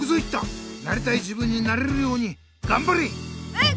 うん！